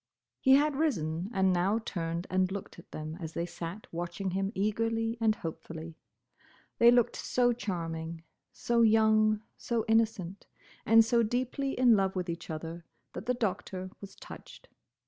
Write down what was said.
He had risen, and now turned and looked at them as they sat watching him eagerly and hopefully. They looked so charming, so young, so innocent, and so deeply in love with each other, that the Doctor was touched.